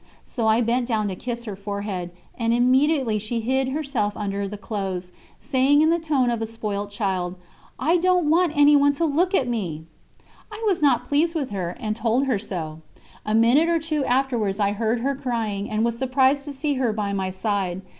So I bent down to kiss her forehead, and immediately she hid herself under the clothes, saying in the tone of a spoilt child: 'I don't want anyone to look at me.' I was not pleased with her, and told her so. A minute or two afterwards I heard her crying, and was surprised to see her by my side.